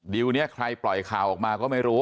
นี้ใครปล่อยข่าวออกมาก็ไม่รู้